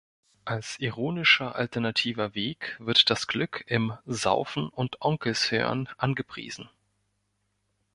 Als ironischer alternativer Weg wird das Glück im „Saufen und Onkelz hören“ angepriesen.